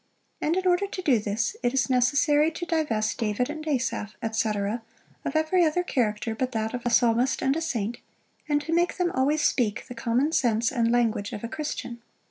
And in order to do this, it is necessary to divest David and Asaph, &c. of every other character but that of a psalmist and a saint, and to make them always speak the common sense, and language of a Christian.